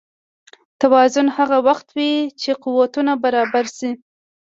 توازن هغه وخت وي چې قوتونه برابر شي.